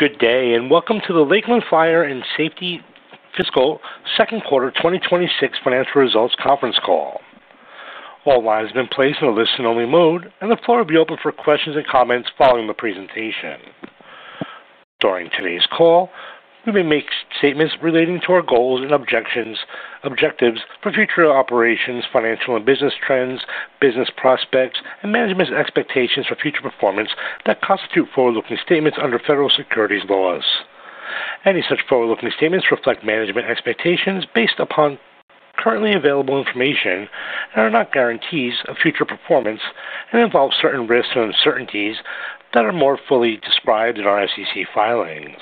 Good day and welcome to the Lakeland Industries Fiscal Second Quarter 2026 Financial Results Conference Call. All lines have been placed in a listen-only mode, and the floor will be open for questions and comments following the presentation. During today's call, we may make statements relating to our goals and objectives for future operations, financial and business trends, business prospects, and management's expectations for future performance that constitute forward-looking statements under federal securities laws. Any such forward-looking statements reflect management expectations based upon currently available information and are not guarantees of future performance and involve certain risks and uncertainties that are more fully described in our SEC filings.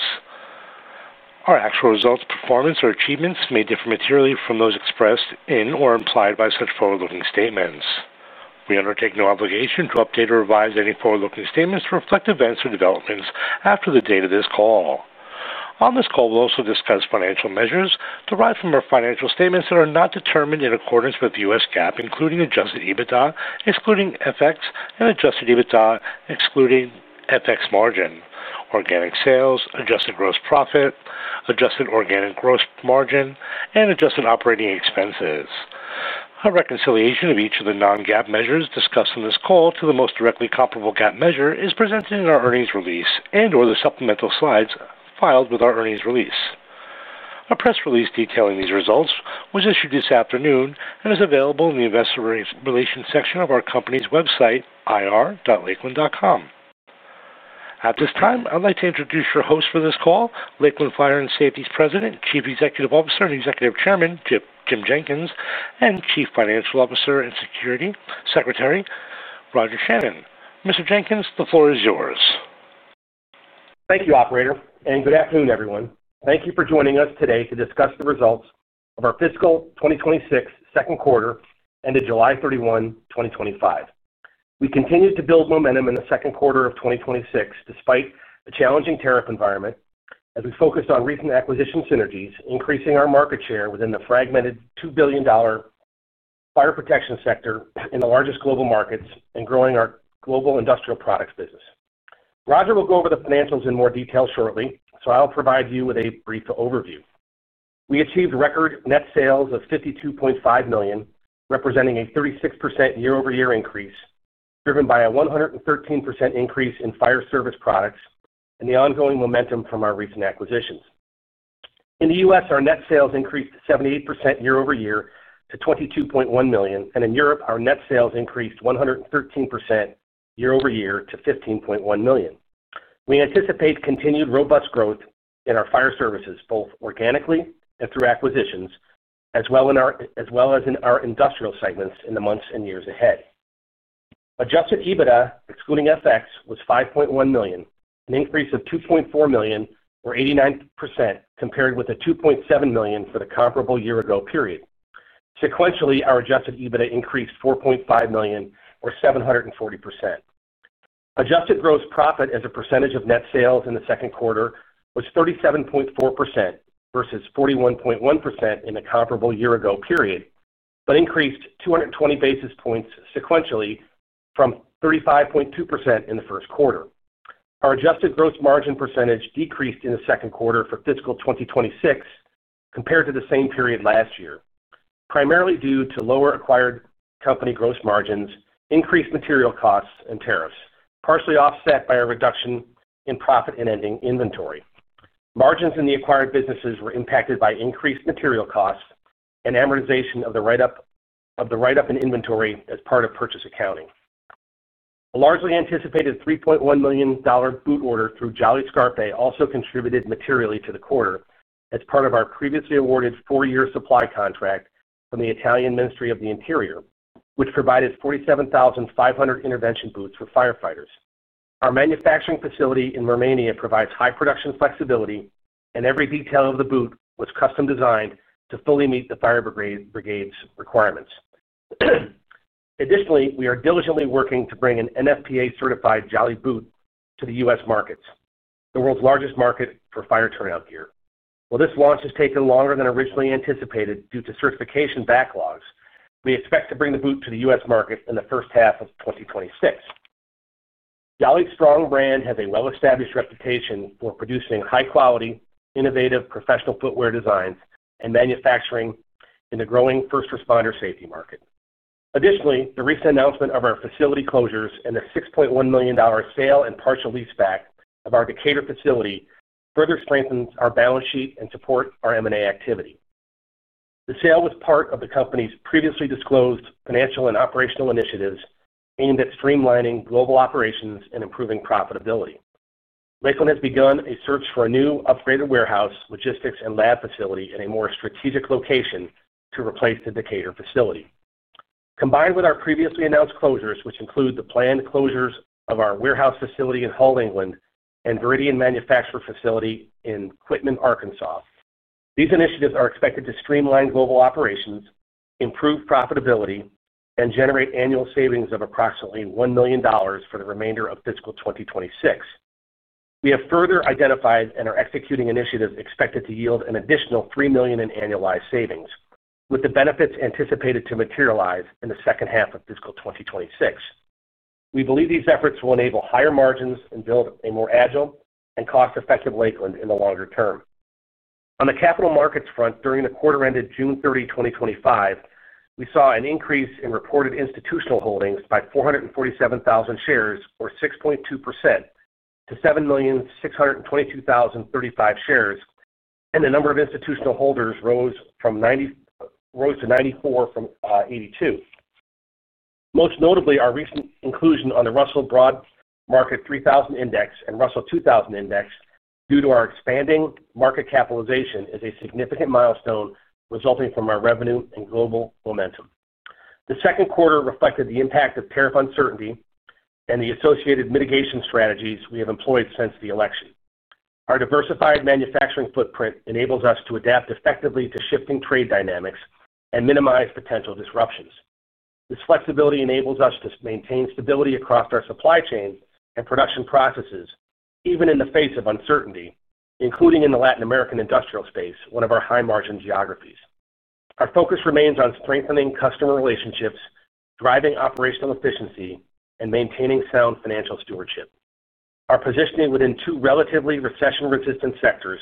Our actual results, performance, or achievements may differ materially from those expressed in or implied by such forward-looking statements. We undertake no obligation to update or revise any forward-looking statements to reflect events or developments after the date of this call. On this call, we'll also discuss financial measures derived from our financial statements that are not determined in accordance with U.S. GAAP, including adjusted EBITDA excluding FX, and adjusted EBITDA excluding FX margin, organic sales, adjusted gross profit, adjusted organic gross margin, and adjusted operating expenses. A reconciliation of each of the non-GAAP measures discussed in this call to the most directly comparable GAAP measure is presented in our earnings release and/or the supplemental slides filed with our earnings release. A press release detailing these results was issued this afternoon and is available in the Investor Relations section of our company's website, ir.lakeland.com. At this time, I'd like to introduce your host for this call, Lakeland Industries' President, Chief Executive Officer and Executive Chairman, Jim Jenkins, and Chief Financial Officer and Secretary, Roger Shannon. Mr. Jenkins, the floor is yours. Thank you, Operator, and good afternoon, everyone. Thank you for joining us today to discuss the results of our fiscal 2026 second quarter ended July 31, 2025. We continued to build momentum in the second quarter of 2026 despite a challenging tariff environment, as we focused on recent acquisition synergies, increasing our market share within the fragmented $2 billion fire protection sector in the largest global markets, and growing our global industrial products business. Roger will go over the financials in more detail shortly, so I'll provide you with a brief overview. We achieved record net sales of $52.5 million, representing a 36% year-over-year increase, driven by a 113% increase in fire service products and the ongoing momentum from our recent acquisitions. In the U.S., our net sales increased 78% year-over-year to $22.1 million, and in Europe, our net sales increased 113% year-over-year to $15.1 million. We anticipate continued robust growth in our fire services, both organically and through acquisitions, as well as in our industrial segments in the months and years ahead. Adjusted EBITDA, excluding FX, was $5.1 million, an increase of $2.4 million, or 89% compared with the $2.7 million for the comparable year-ago period. Sequentially, our adjusted EBITDA increased $4.5 million, or 740%. Adjusted gross profit as a percentage of net sales in the second quarter was 37.4% versus 41.1% in the comparable year-ago period, but increased 220 basis points sequentially from 35.2% in the first quarter. Our adjusted gross margin percentage decreased in the second quarter for fiscal 2026 compared to the same period last year, primarily due to lower acquired company gross margins, increased material costs, and tariffs, partially offset by a reduction in profit and ending inventory. Margins in the acquired businesses were impacted by increased material costs and amortization of the write-up in inventory as part of purchase accounting. A largely anticipated $3.1 million boot order through Jolly Boots also contributed materially to the quarter as part of our previously awarded four-year supply contract from the Italian Ministry of the Interior, which provided 47,500 intervention boots for firefighters. Our manufacturing facility in Romania provides high production flexibility, and every detail of the boot was custom designed to fully meet the fire brigade's requirements. Additionally, we are diligently working to bring an NFPA Certified fire glove and Jolly Boots to the U.S. markets, the world's largest market for fire turnout gear. While this launch has taken longer than originally anticipated due to certification backlogs, we expect to bring the boot to the U.S. market in the first half of 2026. Jolly Boots' strong brand has a well-established reputation for producing high-quality, innovative, professional footwear designs and manufacturing in the growing first responder safety market. Additionally, the recent announcement of our facility closures and the $6.1 million sale and partial leaseback of our Decatur facility further strengthens our balance sheet and supports our M&A pipeline. The sale was part of the company's previously disclosed financial and operational initiatives aimed at streamlining global operations and improving profitability. Lakeland Industries has begun a search for a new upgraded warehouse, logistics, and lab facility in a more strategic location to replace the Decatur facility. Combined with our previously announced closures, which include the planned closures of our warehouse facility in Holland, England, and Meridian Manufacturing Facility in Quitman, Arkansas, these initiatives are expected to streamline global operations, improve profitability, and generate annual savings of approximately $1 million for the remainder of fiscal 2026. We have further identified and are executing initiatives expected to yield an additional $3 million in annualized savings, with the benefits anticipated to materialize in the second half of fiscal 2026. We believe these efforts will enable higher margins and build a more agile and cost-effective Lakeland Industries in the longer term. On the capital markets front, during the quarter ended June 30, 2025, we saw an increase in reported institutional holdings by 447,000 shares, or 6.2%, to 7,622,035 shares, and the number of institutional holders rose to 94 from 82. Most notably, our recent inclusion on the Russell Broad Market 3000 Index and Russell 2000 Index, due to our expanding market capitalization, is a significant milestone resulting from our revenue and global momentum. The second quarter reflected the impact of tariff uncertainty and the associated mitigation strategies we have employed since the election. Our diversified manufacturing footprint enables us to adapt effectively to shifting trade dynamics and minimize potential disruptions. This flexibility enables us to maintain stability across our supply chain and production processes, even in the face of uncertainty, including in the Latin American industrial space, one of our high-margin geographies. Our focus remains on strengthening customer relationships, driving operational efficiency, and maintaining sound financial stewardship. Our positioning within two relatively recession-resistant sectors,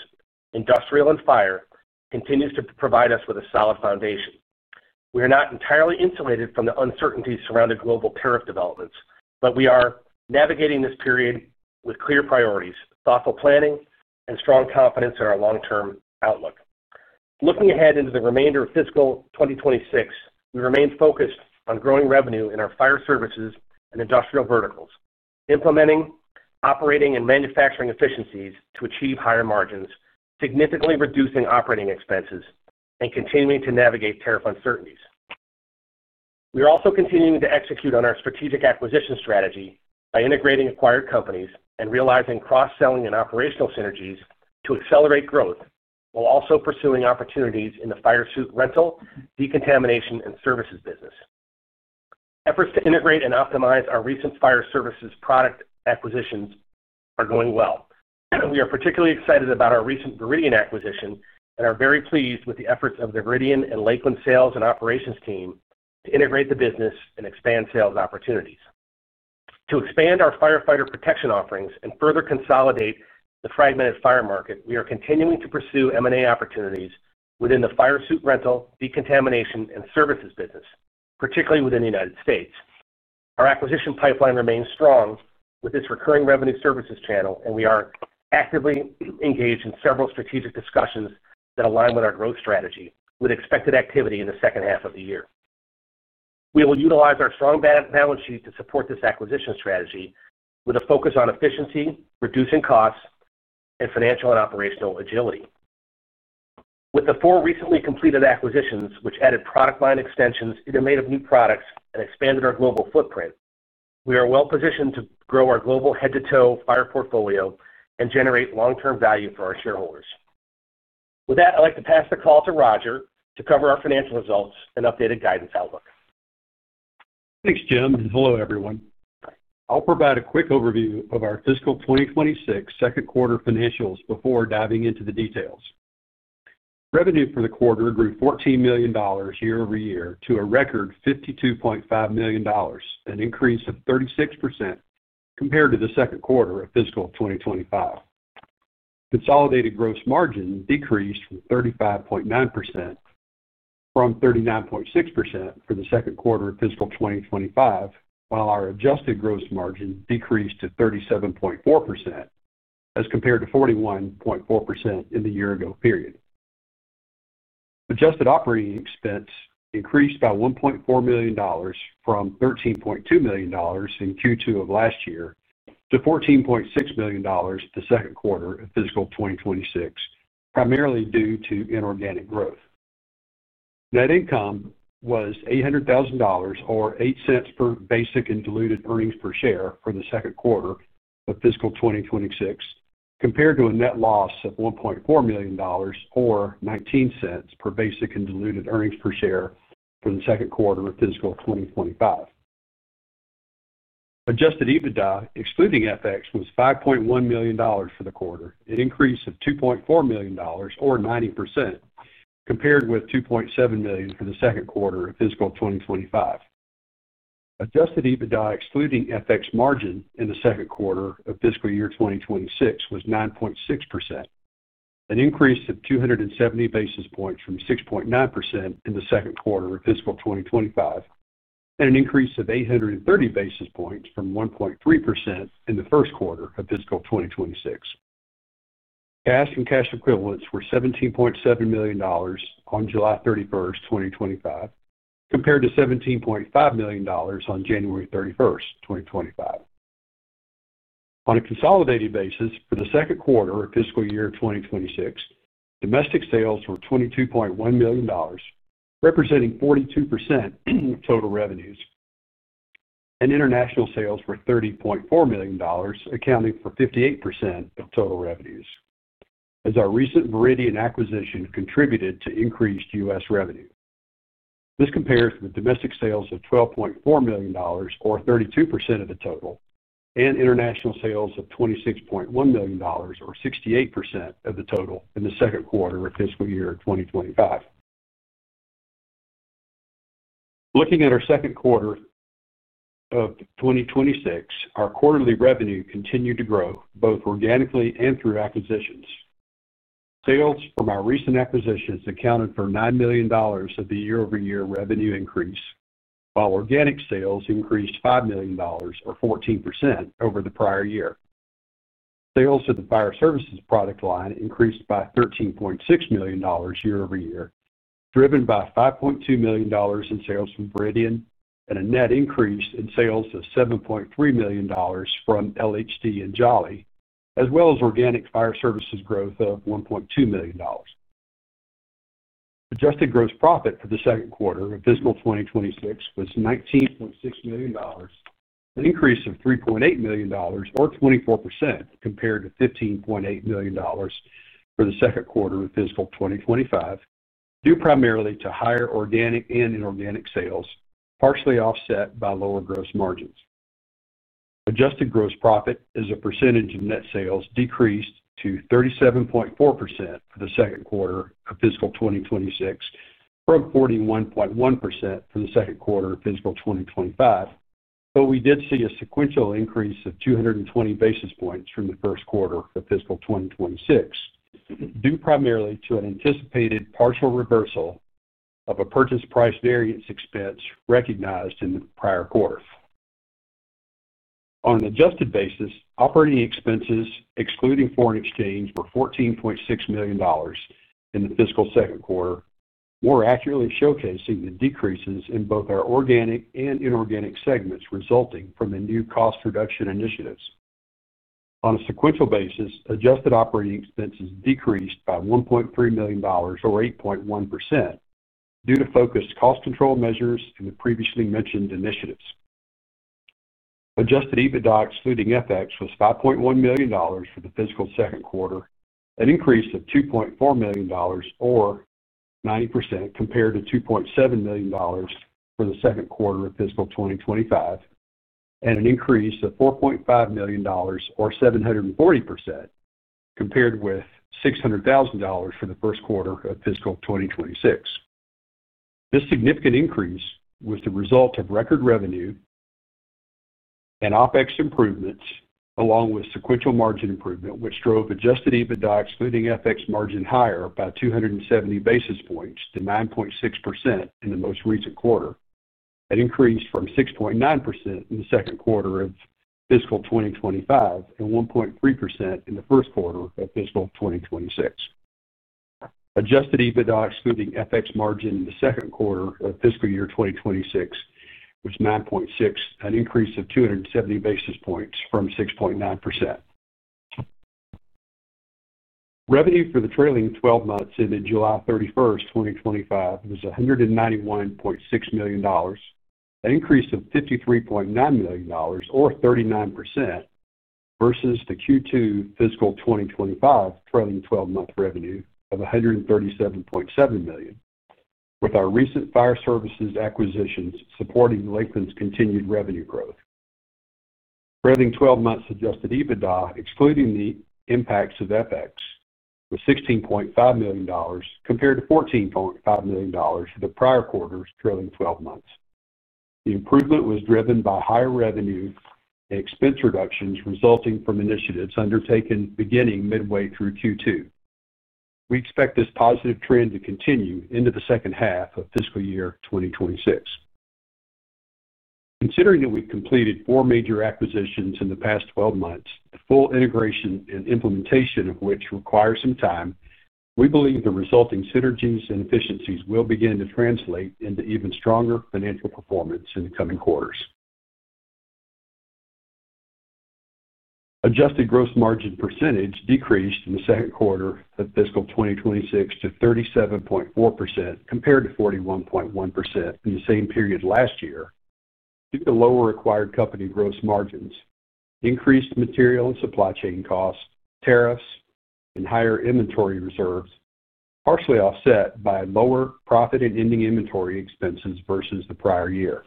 industrial and fire, continues to provide us with a solid foundation. We are not entirely insulated from the uncertainty surrounding global tariff developments, but we are navigating this period with clear priorities, thoughtful planning, and strong confidence in our long-term outlook. Looking ahead into the remainder of fiscal 2026, we remain focused on growing revenue in our fire service products and industrial verticals, implementing operating and manufacturing efficiencies to achieve higher margins, significantly reducing operating expenses, and continuing to navigate tariff uncertainties. We are also continuing to execute on our strategic acquisition strategy by integrating acquired companies and realizing cross-selling and operational synergies to accelerate growth, while also pursuing opportunities in the fire suit rental, decontamination, and services business. Efforts to integrate and optimize our recent fire service products acquisitions are going well, and we are particularly excited about our recent Meridian acquisition and are very pleased with the efforts of the Meridian and Lakeland sales and operations team to integrate the business and expand sales opportunities. To expand our firefighter protection offerings and further consolidate the fragmented fire market, we are continuing to pursue M&A opportunities within the fire suit rental, decontamination, and services business, particularly within the U.S. Our acquisition pipeline remains strong with this recurring revenue services channel, and we are actively engaged in several strategic discussions that align with our growth strategy, with expected activity in the second half of the year. We will utilize our strong balance sheet to support this acquisition strategy, with a focus on efficiency, reducing costs, and financial and operational agility. With the four recently completed acquisitions, which added product line extensions and are made of new products and expanded our global footprint, we are well positioned to grow our global head-to-toe fire portfolio and generate long-term value for our shareholders. With that, I'd like to pass the call to Roger to cover our financial results and updated guidance outlook. Thanks, Jim. Hello, everyone. I'll provide a quick overview of our fiscal 2026 second quarter financials before diving into the details. Revenue for the quarter grew $14 million year over year to a record $52.5 million, an increase of 36% compared to the second quarter of fiscal 2025. Consolidated gross margin decreased to 35.9% from 39.6% for the second quarter of fiscal 2025, while our adjusted gross margin decreased to 37.4% as compared to 41.4% in the year-ago period. Adjusted operating expense increased by $1.4 million from $13.2 million in Q2 of last year to $14.6 million in the second quarter of fiscal 2026, primarily due to inorganic growth. Net income was $800,000 or $0.08 per basic and diluted earnings per share for the second quarter of fiscal 2026, compared to a net loss of $1.4 million or $0.19 per basic and diluted earnings per share for the second quarter of fiscal 2025. Adjusted EBITDA excluding FX was $5.1 million for the quarter, an increase of $2.4 million or 90% compared with $2.7 million for the second quarter of fiscal 2025. Adjusted EBITDA excluding FX margin in the second quarter of fiscal year 2026 was 9.6%, an increase of 270 basis points from 6.9% in the second quarter of fiscal 2025, and an increase of 830 basis points from 1.3% in the first quarter of fiscal 2026. Cash and cash equivalents were $17.7 million on July 31, 2025, compared to $17.5 million on January 31, 2025. On a consolidated basis for the second quarter of fiscal year 2026, domestic sales were $22.1 million, representing 42% of total revenues, and international sales were $30.4 million, accounting for 58% of total revenues, as our recent Meridian acquisition contributed to increased U.S. revenue. This compares with domestic sales of $12.4 million or 32% of the total and international sales of $26.1 million or 68% of the total in the second quarter of fiscal year 2025. Looking at our second quarter of 2026, our quarterly revenue continued to grow both organically and through acquisitions. Sales from our recent acquisitions accounted for $9 million of the year-over-year revenue increase, while organic sales increased $5 million or 14% over the prior year. Sales to the fire service products line increased by $13.6 million year over year, driven by $5.2 million in sales from Meridian and a net increase in sales of $7.3 million from LHD Group and Jolly Boots, as well as organic fire service products growth of $1.2 million. Adjusted gross profit for the second quarter of fiscal 2026 was $19.6 million, an increase of $3.8 million or 24% compared to $15.8 million for the second quarter of fiscal 2025, due primarily to higher organic and inorganic sales, partially offset by lower gross margins. Adjusted gross profit as a percentage of net sales decreased to 37.4% for the second quarter of fiscal 2026 from 41.1% for the second quarter of fiscal 2025, though we did see a sequential increase of 220 basis points from the first quarter of fiscal 2026, due primarily to an anticipated partial reversal of a purchase price variance expense recognized in the prior quarter. On an adjusted basis, operating expenses excluding foreign exchange were $14.6 million in the fiscal second quarter, more accurately showcasing the decreases in both our organic and inorganic segments resulting from the new cost reduction initiatives. On a sequential basis, adjusted operating expenses decreased by $1.3 million or 8.1% due to focused cost control measures in the previously mentioned initiatives. Adjusted EBITDA excluding FX was $5.1 million for the fiscal second quarter, an increase of $2.4 million or 90% compared to $2.7 million for the second quarter of fiscal 2025, and an increase of $4.5 million or 740% compared with $0.6 million for the first quarter of fiscal 2026. This significant increase was the result of record revenue and OPEX improvements, along with sequential margin improvement, which drove adjusted EBITDA excluding FX margin higher by 270 basis points to 9.6% in the most recent quarter, an increase from 6.9% in the second quarter of fiscal 2025 and 1.3% in the first quarter of fiscal 2026. Adjusted EBITDA excluding FX margin in the second quarter of fiscal year 2026 was 9.6%, an increase of 270 basis points from 6.9%. Revenue for the trailing 12 months ended July 31, 2025, was $191.6 million, an increase of $53.9 million or 39% versus the Q2 fiscal 2025 trailing 12-month revenue of $137.7 million, with our recent fire service acquisitions supporting Lakeland Industries' continued revenue growth. Trailing 12 months adjusted EBITDA excluding the impacts of FX was $16.5 million compared to $14.5 million for the prior quarter trailing 12 months. The improvement was driven by higher revenue and expense reductions resulting from initiatives undertaken beginning midway through Q2. We expect this positive trend to continue into the second half of fiscal year 2026. Considering that we've completed four major acquisitions in the past 12 months, the full integration and implementation of which require some time, we believe the resulting synergies and efficiencies will begin to translate into even stronger financial performance in the coming quarters. Adjusted gross margin percentage decreased in the second quarter of fiscal 2026 to 37.4% compared to 41.1% in the same period last year due to lower acquired company gross margins, increased material and supply chain costs, tariffs, and higher inventory reserves, partially offset by lower profit and ending inventory expenses versus the prior year.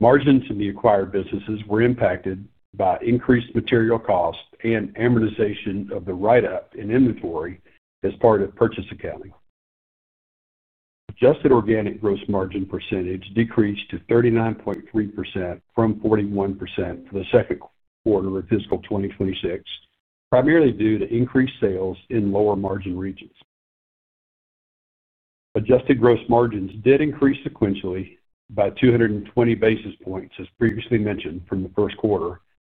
Margins in the acquired businesses were impacted by increased material costs and amortization of the write-up in inventory as part of purchase accounting. Adjusted organic gross margin percentage decreased to 39.3% from 41% for the second quarter of fiscal 2026, primarily due to increased sales in lower margin regions. Adjusted gross margins did increase sequentially by 220 basis points, as previously mentioned, from the first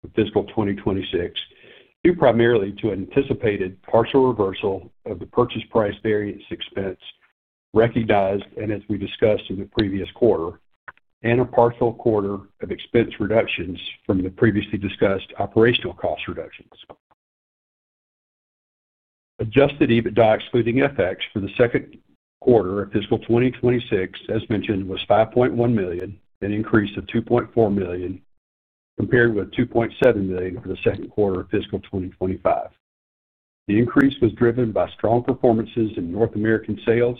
quarter of fiscal 2026, due primarily to an anticipated partial reversal of the purchase price variance expense recognized, as we discussed in the previous quarter, and a partial quarter of expense reductions from the previously discussed operational cost reductions. Adjusted EBITDA excluding FX for the second quarter of fiscal 2026, as mentioned, was $5.1 million, an increase of $2.4 million compared with $2.7 million for the second quarter of fiscal 2025. The increase was driven by strong performances in North American sales,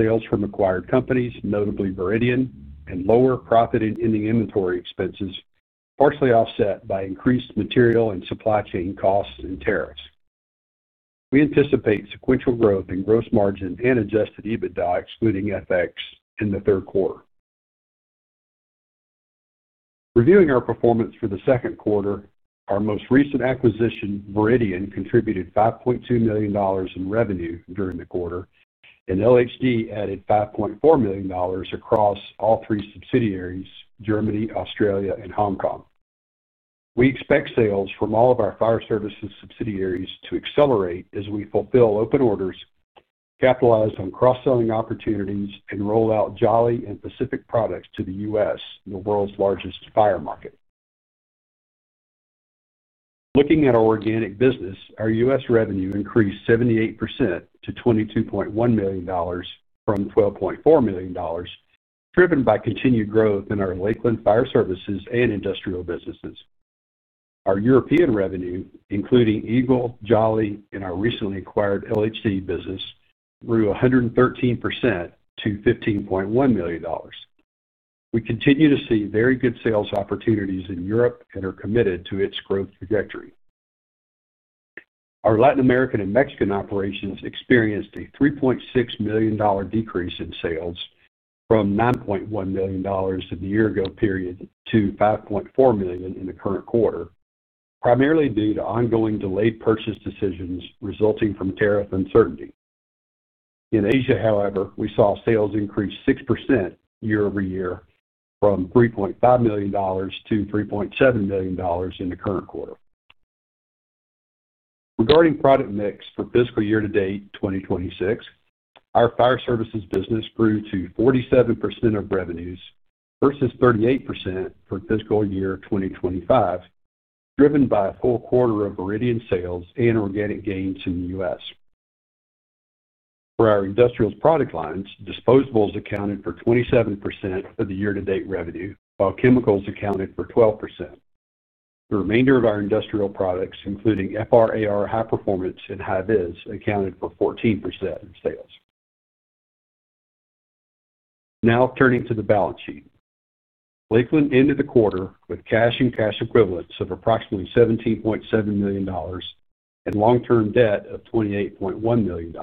sales from acquired companies, notably Meridian, and lower profit and ending inventory expenses, partially offset by increased material and supply chain costs and tariffs. We anticipate sequential growth in gross margin and adjusted EBITDA excluding FX in the third quarter. Reviewing our performance for the second quarter, our most recent acquisition, Meridian, contributed $5.2 million in revenue during the quarter, and LHD added $5.4 million across all three subsidiaries, Germany, Australia, and Hong Kong. We expect sales from all of our fire service subsidiaries to accelerate as we fulfill open orders, capitalize on cross-selling opportunities, and roll out Jolly and Pacific products to the U.S., the world's largest fire market. Looking at our organic business, our U.S. revenue increased 78% to $22.1 million from $12.4 million, driven by continued growth in our Lakeland fire services and industrial businesses. Our European revenue, including Eagle, Jolly Boots, and our recently acquired LHD Group business, grew 113% to $15.1 million. We continue to see very good sales opportunities in Europe and are committed to its growth trajectory. Our Latin American and Mexican operations experienced a $3.6 million decrease in sales from $9.1 million in the year-ago period to $5.4 million in the current quarter, primarily due to ongoing delayed purchase decisions resulting from tariff uncertainty. In Asia, however, we saw sales increase 6% year over year from $3.5 million to $3.7 million in the current quarter. Regarding product mix for fiscal year to date 2026, our fire services business grew to 47% of revenues versus 38% for fiscal year 2025, driven by a full quarter of Meridian sales and organic gains in the U.S. For our industrial product lines, disposables accounted for 27% of the year-to-date revenue, while chemicals accounted for 12%. The remainder of our industrial products, including FRAR high performance and high VIS, accounted for 14% in sales. Now turning to the balance sheet, Lakeland ended the quarter with cash and cash equivalents of approximately $17.7 million and long-term debt of $28.1 million.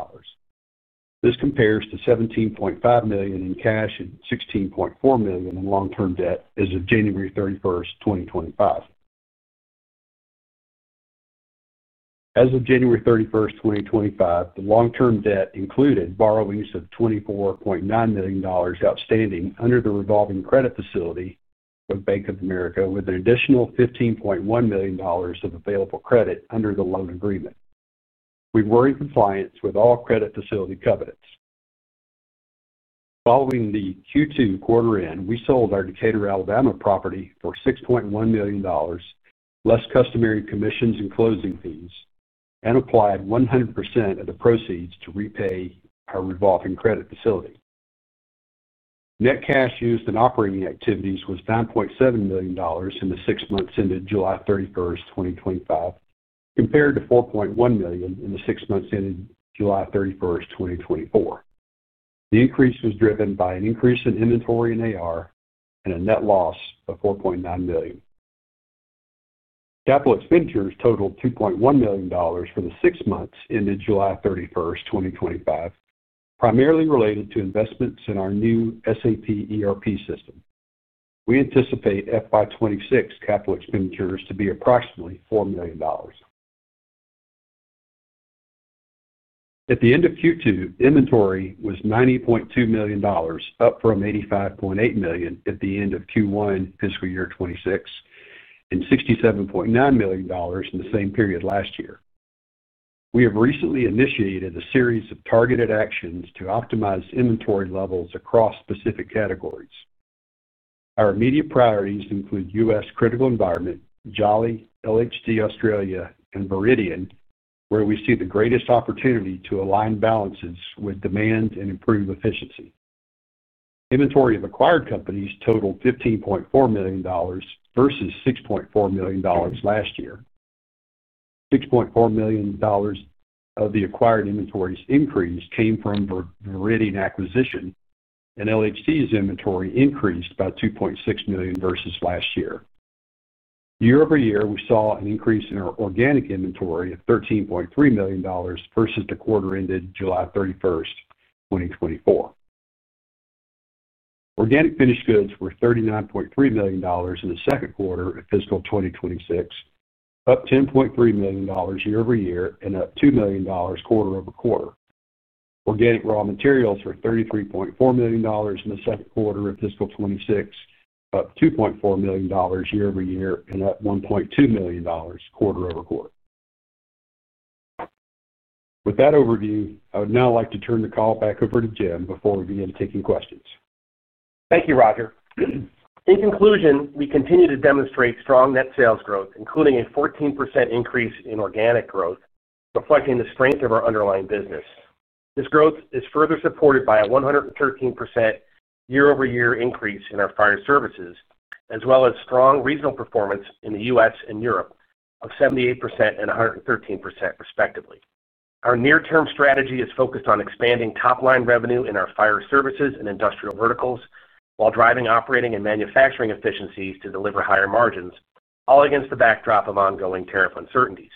This compares to $17.5 million in cash and $16.4 million in long-term debt as of January 31, 2025. As of January 31, 2025, the long-term debt included borrowings of $24.9 million outstanding under the revolving credit facility with Bank of America, with an additional $15.1 million of available credit under the loan agreement. We were in compliance with all credit facility covenants. Following the Q2 quarter end, we sold our Decatur, Alabama property for $6.1 million, less customary commissions and closing fees, and applied 100% of the proceeds to repay our revolving credit facility. Net cash used in operating activities was $9.7 million in the six months ended July 31, 2025, compared to $4.1 million in the six months ended July 31, 2024. The increase was driven by an increase in inventory and AR and a net loss of $4.9 million. Capital expenditures totaled $2.1 million for the six months ended July 31, 2025, primarily related to investments in our new SAP ERP system. We anticipate FY26 capital expenditures to be approximately $4 million. At the end of Q2, inventory was $90.2 million, up from $85.8 million at the end of Q1 fiscal year 2026, and $67.9 million in the same period last year. We have recently initiated a series of targeted actions to optimize inventory levels across specific categories. Our immediate priorities include U.S. critical environment, Jolly Boots, LHD Group Australia, and Meridian, where we see the greatest opportunity to align balances with demand and improve efficiency. Inventory of acquired companies totaled $15.4 million versus $6.4 million last year. $6.4 million of the acquired inventories increase came from the Meridian acquisition, and LHD Group's inventory increased by $2.6 million versus last year. Year over year, we saw an increase in our organic inventory of $13.3 million versus the quarter ended July 31, 2024. Organic finished goods were $39.3 million in the second quarter of fiscal 2026, up $10.3 million year over year, and up $2 million quarter over quarter. Organic raw materials were $33.4 million in the second quarter of fiscal 2026, up $2.4 million year over year, and up $1.2 million quarter over quarter. With that overview, I would now like to turn the call back over to Jim before we begin taking questions. Thank you, Roger. In conclusion, we continue to demonstrate strong net sales growth, including a 14% increase in organic growth, reflecting the strength of our underlying business. This growth is further supported by a 113% year-over-year increase in our fire service products, as well as strong regional performance in the U.S. and Europe of 78% and 113% respectively. Our near-term strategy is focused on expanding top-line revenue in our fire service products and industrial verticals, while driving operating and manufacturing efficiencies to deliver higher margins, all against the backdrop of ongoing tariff uncertainties.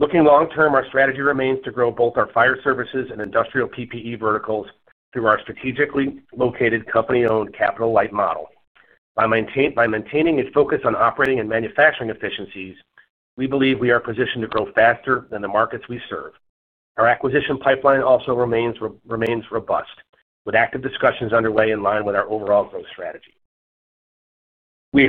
Looking long-term, our strategy remains to grow both our fire service products and industrial PPE verticals through our strategically located company-owned capital-light model. By maintaining a focus on operating and manufacturing efficiencies, we believe we are positioned to grow faster than the markets we serve. Our M&A pipeline also remains robust, with active discussions underway in line with our overall growth strategy. We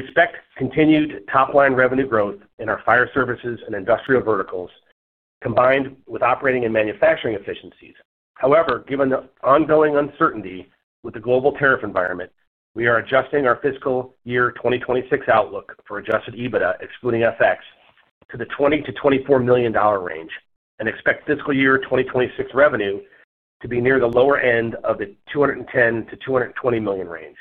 expect continued top-line revenue growth in our fire service products and industrial verticals, combined with operating and manufacturing efficiencies. However, given the ongoing uncertainty with the global tariff environment, we are adjusting our fiscal year 2026 outlook for adjusted EBITDA excluding FX to the $20 to $24 million range and expect fiscal year 2026 revenue to be near the lower end of the $210 to $220 million range.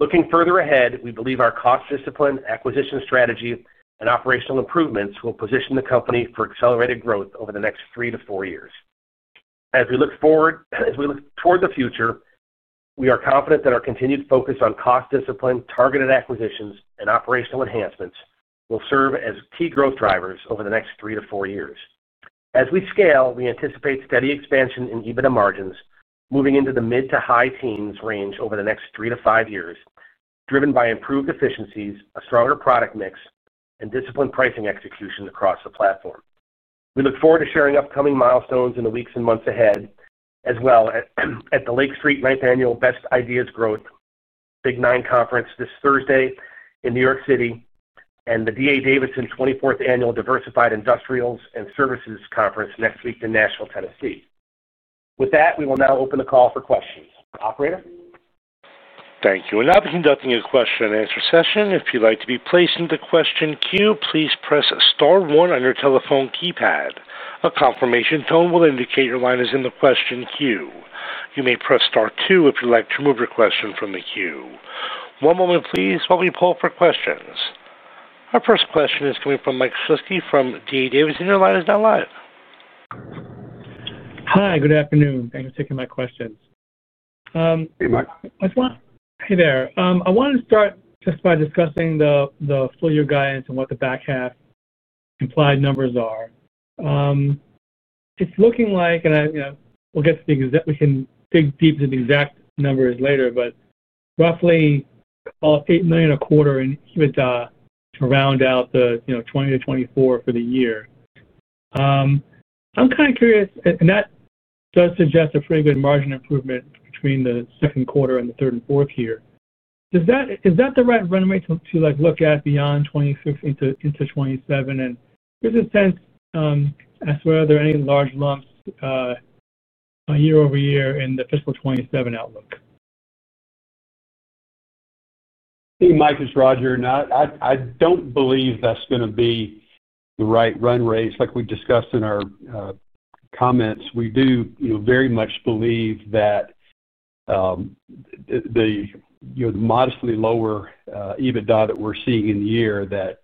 Looking further ahead, we believe our cost discipline, acquisition strategy, and operational improvements will position the company for accelerated growth over the next three to four years. As we look toward the future, we are confident that our continued focus on cost discipline, targeted acquisitions, and operational enhancements will serve as key growth drivers over the next three to four years. As we scale, we anticipate steady expansion in EBITDA margins, moving into the mid to high teens range over the next three to five years, driven by improved efficiencies, a stronger product mix, and disciplined pricing execution across the platform. We look forward to sharing upcoming milestones in the weeks and months ahead, as well as at the Lake Street Capital Markets Annual Best Ideas Growth Big Nine Conference this Thursday in New York City and the D.A. Davidson & Co. 24th Annual Diversified Industrials and Services Conference next week in Nashville, Tennessee. With that, we will now open the call for questions. Operator? Thank you. Now to conducting a question and answer session. If you'd like to be placed into the question queue, please press star one on your telephone keypad. A confirmation tone will indicate your line is in the question queue. You may press star two if you'd like to remove your question from the queue. One moment, please, while we poll for questions. Our first question is coming from Michael Shlisky from D.A. Davidson & Co. Your line is now live. Hi. Good afternoon. Thanks for taking my questions. Hey, Mike. I want to start just by discussing the full-year guidance and what the back half implied numbers are. It's looking like, and we'll get to the exact, we can dig deep into the exact numbers later, but roughly almost $8 million a quarter and even to round out the, you know, $20 to $24 million for the year. I'm kind of curious, and that does suggest a pretty good margin improvement between the second quarter and the third and fourth year. Does that, is that the right run rate to look at beyond 2026 into 2027? There's a sense as to whether there are any large lumps year over year in the fiscal 2027 outlook. Hey, Mike. It's Roger. I don't believe that's going to be the right run rate. Like we discussed in our comments, we do very much believe that the modestly lower EBITDA that we're seeing in the year that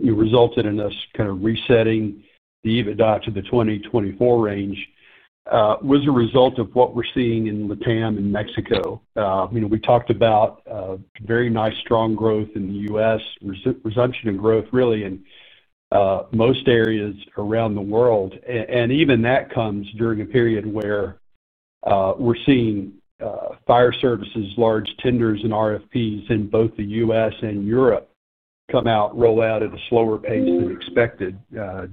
resulted in us kind of resetting the EBITDA to the 2024 range was a result of what we're seeing in Latin America and Mexico. We talked about very nice strong growth in the U.S., resumption in growth really in most areas around the world. Even that comes during a period where we're seeing fire service products, large tenders, and RFP activity in both the U.S. and Europe roll out at a slower pace than expected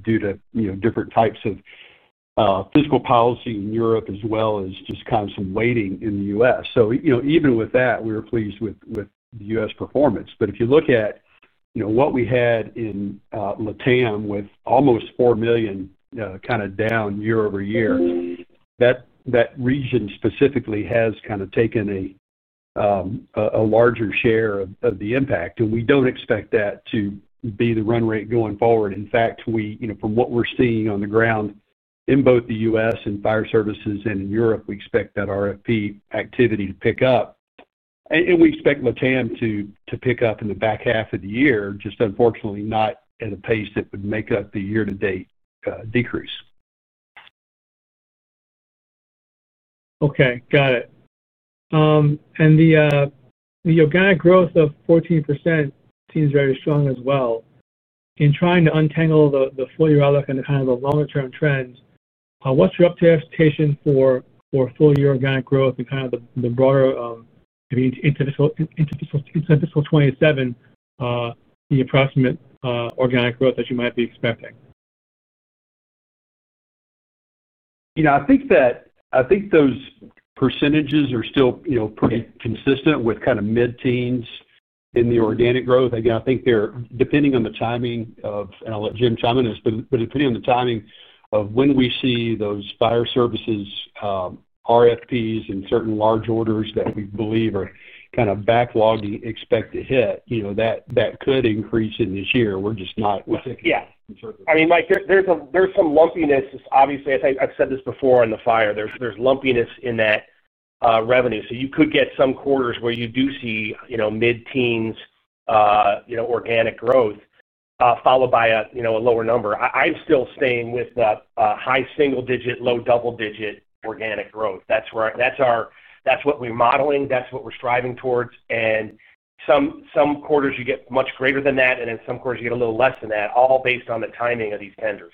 due to different types of fiscal policy in Europe, as well as just kind of some waiting in the U.S. Even with that, we were pleased with the U.S. performance. If you look at what we had in Latin America with almost $4 million kind of down year over year, that region specifically has kind of taken a larger share of the impact. We don't expect that to be the run rate going forward. In fact, from what we're seeing on the ground in both the U.S. and fire service products and in Europe, we expect that RFP activity to pick up. We expect Latin America to pick up in the back half of the year, just unfortunately not at a pace that would make up the year-to-date decrease. Okay. Got it. The organic growth of 14% seems very strong as well. In trying to untangle the full-year outlook and the kind of longer-term trends, what's your expectation for full-year organic growth and the broader, I mean, into fiscal 2027, the approximate organic growth that you might be expecting? I think those percentages are still pretty consistent with kind of mid-teens in the organic growth. I think they're depending on the timing of, and I'll let Jim chime in on this, but depending on the timing of when we see those fire service RFPs and certain large orders that we believe are kind of backlogging, expect to hit, that could increase in this year. We're just not, we're thinking about it. Yeah. I mean, Mike, there's some lumpiness. It's obviously, as I've said this before on the fire, there's lumpiness in that revenue. You could get some quarters where you do see, you know, mid-teens, you know, organic growth, followed by a, you know, a lower number. I'm still staying with that high single-digit, low double-digit organic growth. That's what we're modeling. That's what we're striving towards. Some quarters you get much greater than that, and in some quarters you get a little less than that, all based on the timing of these tenders.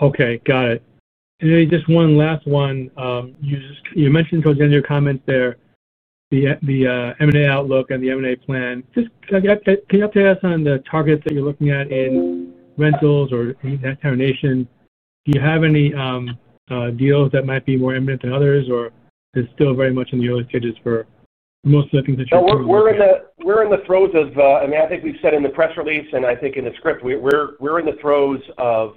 Okay. Got it. Just one last one. You mentioned towards the end of your comment there, the M&A outlook and the M&A plan. Can you update us on the targets that you're looking at in rentals or any of that termination? Do you have any deals that might be more imminent than others, or is it still very much in the early stages for most of the things that you're talking about? We're in the throes of, I think we've said in the press release and I think in the script, we're in the throes of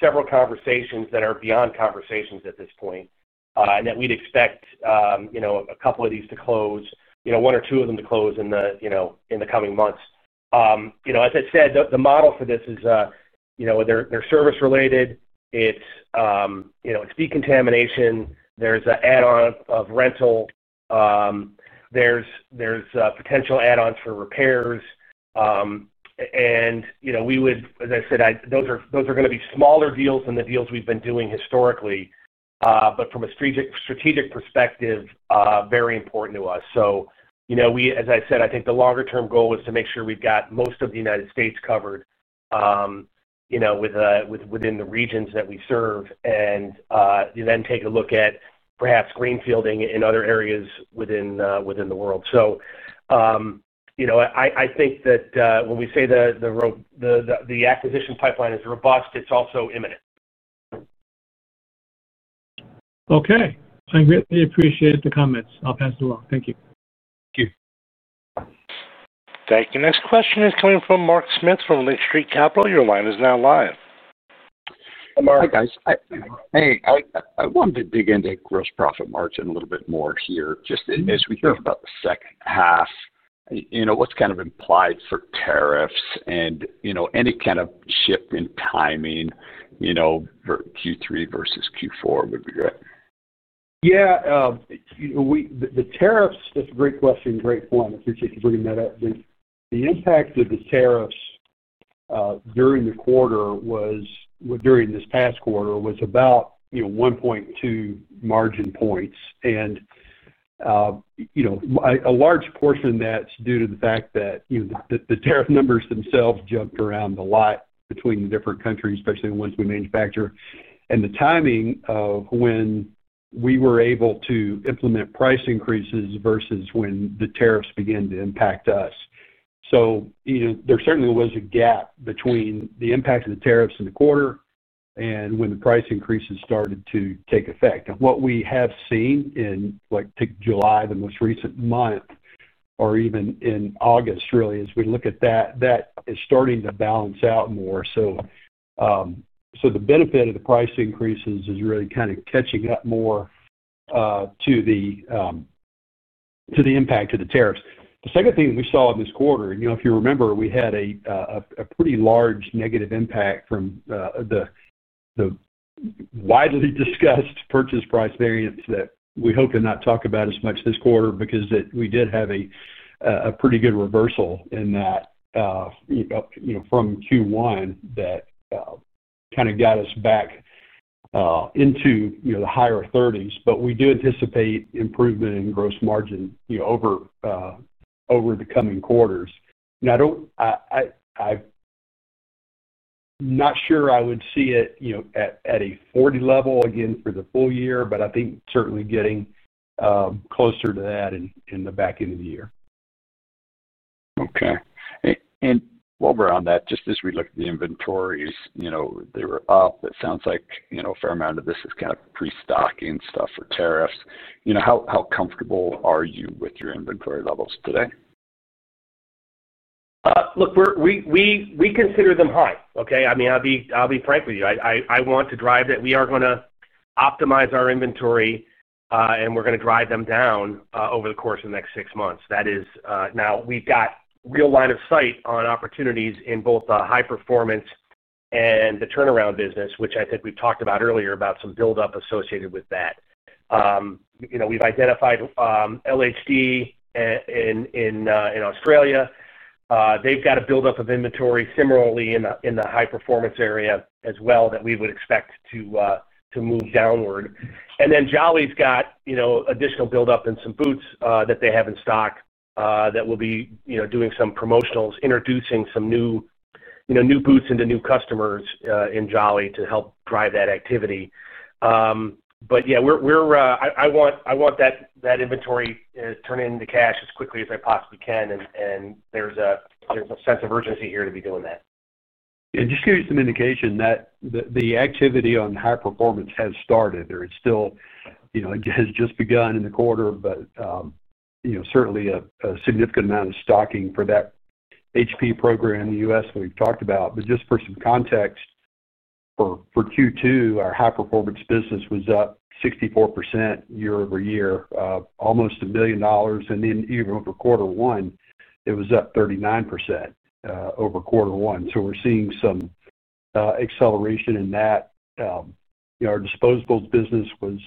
several conversations that are beyond conversations at this point, and we'd expect a couple of these to close, one or two of them to close in the coming months. As I said, the model for this is they're service-related. It's decontamination. There's an add-on of rental. There's potential add-ons for repairs. Those are going to be smaller deals than the deals we've been doing historically, but from a strategic perspective, very important to us. I think the longer-term goal is to make sure we've got most of the United States covered within the regions that we serve, and then take a look at perhaps greenfielding in other areas within the world. When we say the acquisition pipeline is robust, it's also imminent. Okay, I greatly appreciate the comments. I'll pass it along. Thank you. Thank you. Thank you. Next question is coming from Mark Eric Smith from Lake Street Capital Markets. Your line is now live. Hey, Mark. Hey, guys. Hey, I wanted to dig into gross profit margin a little bit more here. Just as we talk about the second half, what's kind of implied for tariffs and any kind of shift in timing for Q3 versus Q4 would be great. The tariffs, that's a great question, great point. I appreciate you bringing that up. The impact of the tariffs during the quarter was, during this past quarter, about 1.2 margin points. A large portion of that is due to the fact that the tariff numbers themselves jumped around a lot between the different countries, especially the ones we manufacture, and the timing of when we were able to implement price increases versus when the tariffs began to impact us. There certainly was a gap between the impact of the tariffs in the quarter and when the price increases started to take effect. What we have seen in, like, take July, the most recent month, or even in August, really, as we look at that, that is starting to balance out more. The benefit of the price increases is really kind of catching up more to the impact of the tariffs. The second thing we saw in this quarter, if you remember, we had a pretty large negative impact from the widely discussed purchase price variance that we hope to not talk about as much this quarter because we did have a pretty good reversal in that from Q1 that kind of got us back into the higher 30s. We do anticipate improvement in gross margin over the coming quarters. Now, I'm not sure I would see it at a 40 level again for the full year, but I think certainly getting closer to that in the back end of the year. Okay. While we're on that, just as we look at the inventories, you know, they were up. It sounds like a fair amount of this is kind of pre-stocking stuff for tariffs. How comfortable are you with your inventory levels today? Look, we consider them high, okay? I mean, I'll be frank with you. I want to drive that. We are going to optimize our inventory, and we're going to drive them down over the course of the next six months. That is, now we've got a real line of sight on opportunities in both the high performance and the turnaround business, which I think we've talked about earlier about some build-up associated with that. We've identified LHD and in Australia, they've got a build-up of inventory similarly in the high-performance area as well that we would expect to move downward. Then Jolly's got additional build-up in some boots that they have in stock, that will be doing some promotionals, introducing some new, you know, new boots into new customers in Jolly to help drive that activity. I want that inventory turned into cash as quickly as I possibly can. There's a sense of urgency here to be doing that. Yeah. Just to give you some indication that the activity on high performance has started. It has just begun in the quarter, but certainly a significant amount of stocking for that HP program in the U.S. that we've talked about. Just for some context, for Q2, our high-performance business was up 64% year over year, almost $1 million. Even over quarter one, it was up 39% over quarter one. We're seeing some acceleration in that. Our disposables business was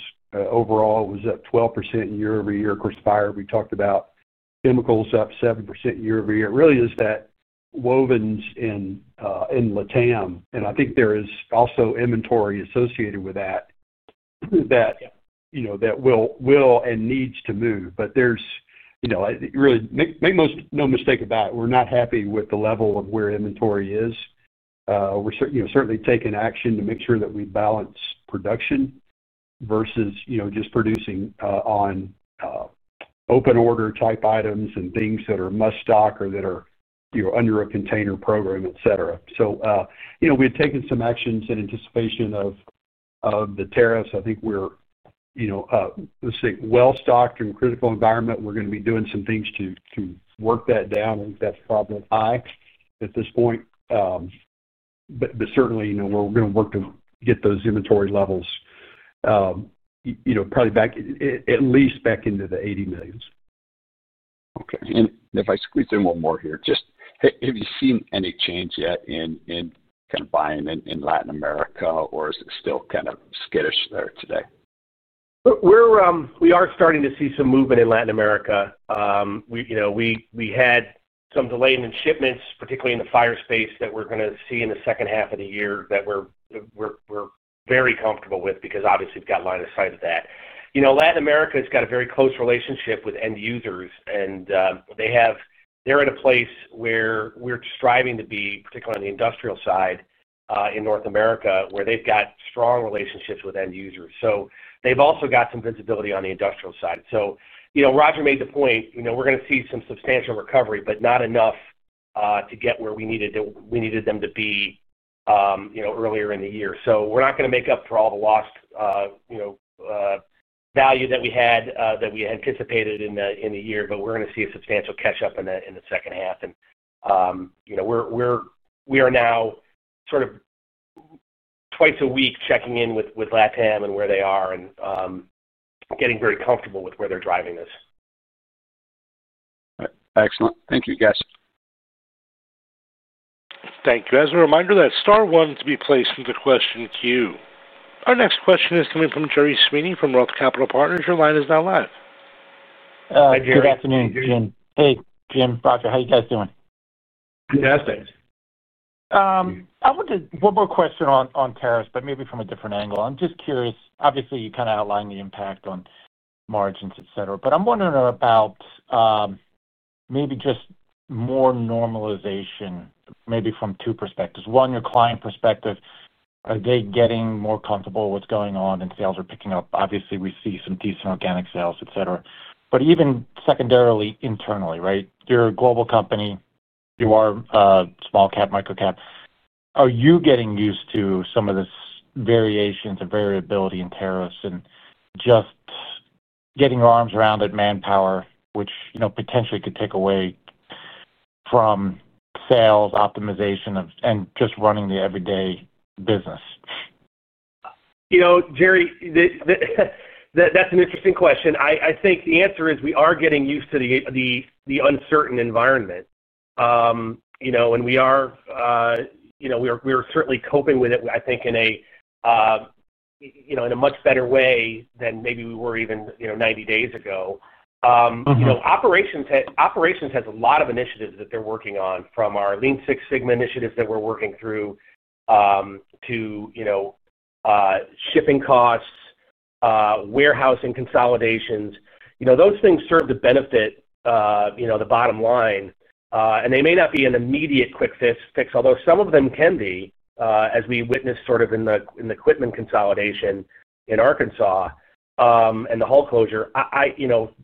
overall up 12% year over year. Of course, fire, we talked about. Chemicals up 7% year over year. It really is that woven in, in Latin America. I think there is also inventory associated with that, that will and needs to move. Really, make no mistake about it. We're not happy with the level of where inventory is. We're certainly taking action to make sure that we balance production versus just producing on open order type items and things that are must stock or that are under a container program, etc. We had taken some actions in anticipation of the tariffs. I think we're, let's say, well stocked in a critical environment. We're going to be doing some things to work that down. I think that's probably high at this point. Certainly, we're going to work to get those inventory levels probably back at least back into the $80 million. Okay. If I squeeze in one more here, have you seen any change yet in kind of buying in Latin America, or is it still kind of skittish there today? We are starting to see some movement in Latin America. We had some delays in shipments, particularly in the fire space that we're going to see in the second half of the year. We're very comfortable with that because obviously we've got a line of sight of that. Latin America has got a very close relationship with end users, and they are in a place where we're striving to be, particularly on the industrial side in North America, where they've got strong relationships with end users. They've also got some visibility on the industrial side. Roger made the point that we're going to see some substantial recovery, but not enough to get where we needed them to be earlier in the year. We're not going to make up for all the lost value that we anticipated in the year, but we're going to see a substantial catch-up in the second half. We are now sort of twice a week checking in with LATAM and where they are, and getting very comfortable with where they're driving us. Excellent. Thank you, guys. Thank you. As a reminder, that's star one to be placed for the question queue. Our next question is coming from Gerard J. Sweeney from ROTH Capital Partners. Your line is now live. Hi, Gerard. Good afternoon, Jim. Hey, Jim, Roger. How are you guys doing? Good afternoon. I wanted one more question on tariffs, but maybe from a different angle. I'm just curious. Obviously, you kind of outlined the impact on margins, etc., but I'm wondering about maybe just more normalization, maybe from two perspectives. One, your client perspective, are they getting more comfortable with what's going on and sales are picking up? Obviously, we see some decent organic sales, etc., but even secondarily internally, right? You're a global company. You are small cap, micro cap. Are you getting used to some of the variations and variability in tariffs and just getting your arms around it, manpower, which, you know, potentially could take away from sales optimization and just running the everyday business? You know. Jerry, that's an interesting question. I think the answer is we are getting used to the uncertain environment. We are certainly coping with it, I think, in a much better way than maybe we were even 90 days ago. Operations has a lot of initiatives that they're working on, from our Lean Six Sigma initiatives that we're working through, to shipping costs, warehousing consolidations. Those things serve to benefit the bottom line, and they may not be an immediate quick fix, although some of them can be, as we witnessed in the equipment consolidation in Arkansas and the haul closure.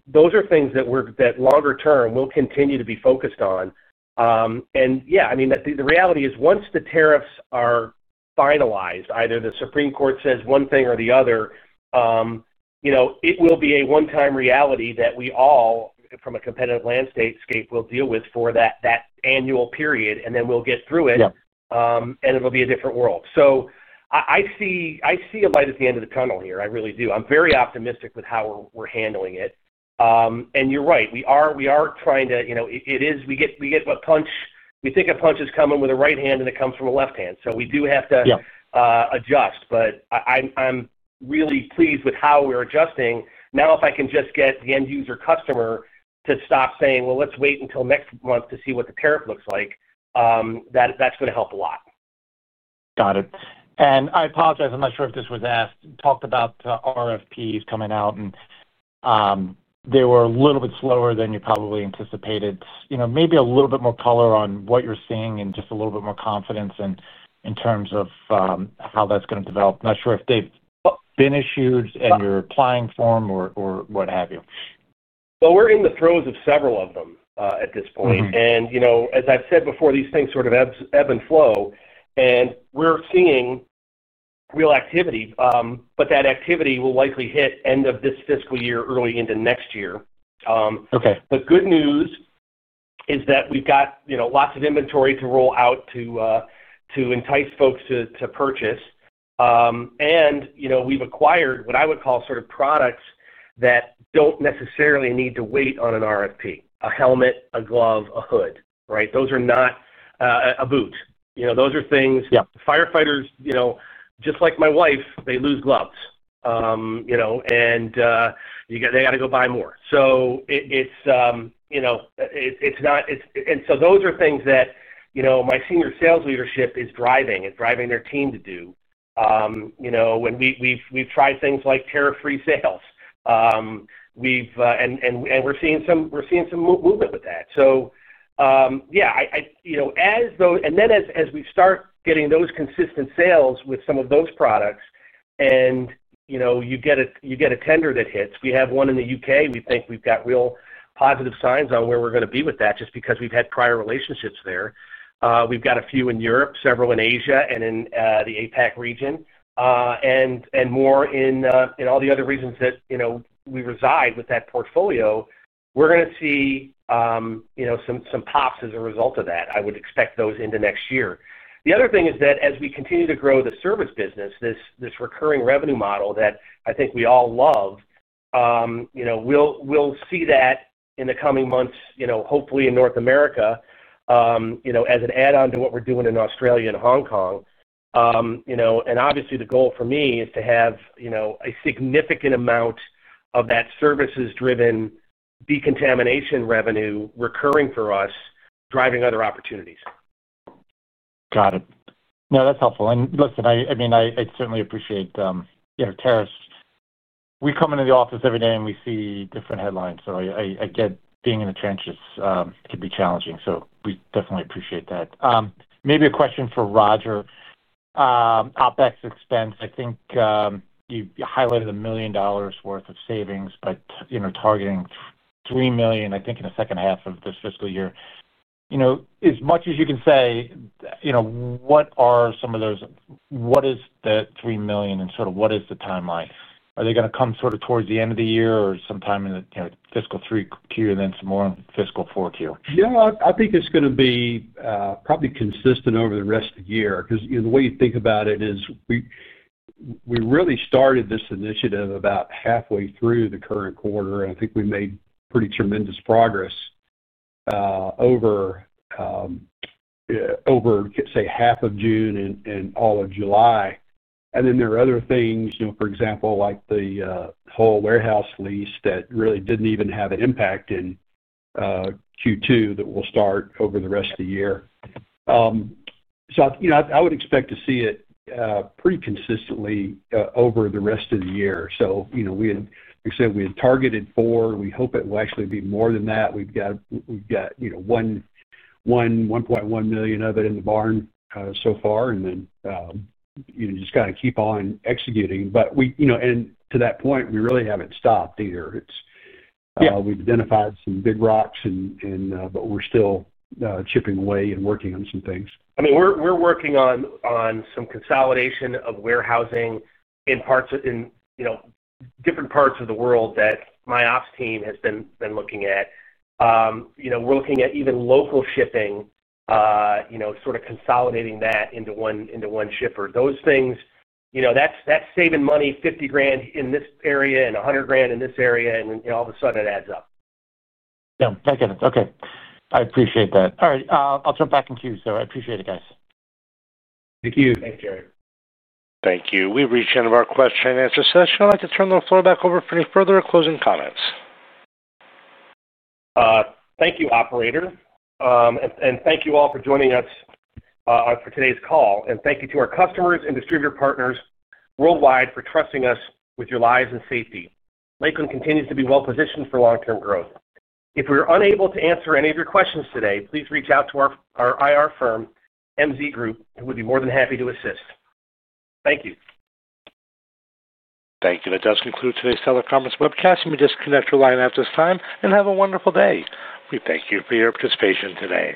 Those are things that longer term will continue to be focused on. The reality is once the tariffs are finalized, either the Supreme Court says one thing or the other, it will be a one-time reality that we all, from a competitive landscape, will deal with for that annual period, and then we'll get through it. It will be a different world. I see a light at the end of the tunnel here. I really do. I'm very optimistic with how we're handling it, and you're right. We are trying to, you know, we get a punch, we think a punch is coming with a right hand and it comes from a left hand. We do have to adjust. I'm really pleased with how we're adjusting. Now, if I can just get the end user customer to stop saying, "Well, let's wait until next month to see what the tariff looks like," that's going to help a lot. Got it. I apologize. I'm not sure if this was asked. You talked about RFPs coming out, and they were a little bit slower than you probably anticipated. Maybe a little bit more color on what you're seeing and just a little bit more confidence in terms of how that's going to develop. I'm not sure if they've been issued and you're applying for them or what have you. We're in the throes of several of them at this point. As I've said before, these things sort of ebb and flow. We're seeing real activity, but that activity will likely hit end of this fiscal year, early into next year. The good news is that we've got lots of inventory to roll out to entice folks to purchase. We've acquired what I would call sort of products that don't necessarily need to wait on an RFP, a helmet, a glove, a hood, a boot. Those are things the firefighters, just like my wife, they lose gloves, and they got to go buy more. It's not, and so those are things that my Senior Sales Leadership is driving their team to do. We've tried things like tariff-free sales, and we're seeing some movement with that. As we start getting those consistent sales with some of those products, and you get a tender that hits, we have one in the UK. We think we've got real positive signs on where we're going to be with that just because we've had prior relationships there. We've got a few in Europe, several in Asia, and in the APAC region, and more in all the other regions that we reside with that portfolio. We're going to see some pops as a result of that. I would expect those into next year. The other thing is that as we continue to grow the service business, this recurring revenue model that I think we all love, we'll see that in the coming months, hopefully in North America as an add-on to what we're doing in Australia and Hong Kong. Obviously, the goal for me is to have a significant amount of that services-driven decontamination revenue recurring for us, driving other opportunities. Got it. No, that's helpful. I certainly appreciate, you know, tariffs. We come into the office every day and we see different headlines. I get being in the trenches can be challenging. We definitely appreciate that. Maybe a question for Roger. OpEx expense, I think you highlighted $1 million worth of savings, but you know, targeting $3 million, I think, in the second half of this fiscal year. As much as you can say, what are some of those, what is the $3 million and sort of what is the timeline? Are they going to come towards the end of the year or sometime in the, you know, fiscal Q3 and then some more in fiscal Q4? Yeah, I think it's going to be probably consistent over the rest of the year because the way you think about it is we really started this initiative about halfway through the current quarter, and I think we made pretty tremendous progress over, say, half of June and all of July. There are other things, for example, like the whole warehouse lease that really didn't even have an impact in Q2 that will start over the rest of the year. I would expect to see it pretty consistently over the rest of the year. Like I said, we had targeted four. We hope it will actually be more than that. We've got $1.1 million of it in the barn so far, and just got to keep on executing. To that point, we really haven't stopped either. We've identified some big rocks, but we're still chipping away and working on some things. We're working on some consolidation of warehousing in different parts of the world that my ops team has been looking at. We're looking at even local shipping, sort of consolidating that into one shipper. Those things are saving money, $50,000 in this area and $100,000 in this area, and then all of a sudden it adds up. I get it. Okay, I appreciate that. All right, I'll jump back in queue. I appreciate it, guys. Thank you. Thanks, Jerry. Thank you. We've reached the end of our question and answer session. I'd like to turn the floor back over for any further closing comments. Thank you, Operator. Thank you all for joining us for today's call. Thank you to our customers and distributor partners worldwide for trusting us with your lives and safety. Lakeland continues to be well-positioned for long-term growth. If we're unable to answer any of your questions today, please reach out to our IR firm, MZ Group, who would be more than happy to assist. Thank you. Thank you. That does conclude today's teleconference webcast. You may disconnect your line at this time and have a wonderful day. We thank you for your participation today.